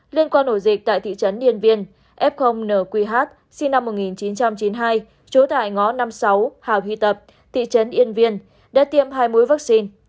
liên quan nổ dịch tại thị trấn yên viên f nqh sinh năm một nghìn chín trăm chín mươi hai chỗ tại ngõ năm mươi sáu hào hy tập thị trấn yên viên đã tiêm hai mũi vắc xin